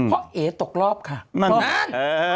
เพราะเอ๋ตกรอบค่ะเพราะนั้น